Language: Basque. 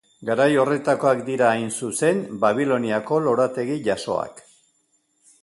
Garai horretakoak dira, hain zuzen, Babiloniako lorategi jasoak.